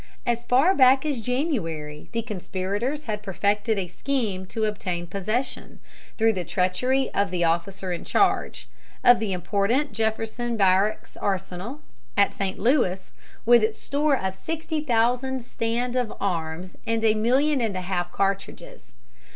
As far back as January, the conspirators had perfected a scheme to obtain possession, through the treachery of the officer in charge, of the important Jefferson Barracks arsenal at St. Louis, with its store of sixty thousand stand of arms and a million and a half cartridges.